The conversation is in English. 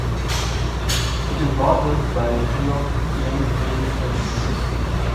It is bordered by Hillock Lane playing fields.